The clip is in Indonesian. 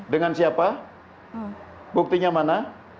dengan siapa buktinya mana